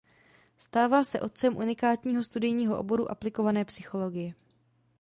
Stává se otcem unikátního studijního oboru aplikované psychologie.